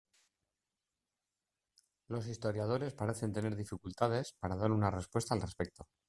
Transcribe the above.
Los historiadores parecen tener dificultades para dar una respuesta al respecto.